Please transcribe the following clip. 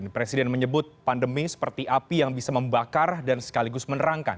presiden menyebut pandemi seperti api yang bisa membakar dan sekaligus menerangkan